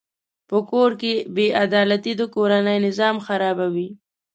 په کور کې بېعدالتي د کورنۍ نظام خرابوي.